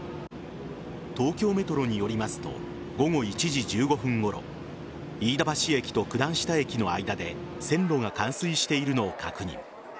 東京メトロによりますと午後１時１５分ごろ飯田橋駅と九段下駅の間で線路が冠水しているのを確認。